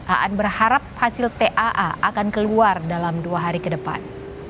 aan berharap hasil taa akan keluar dalam dua hari ke depan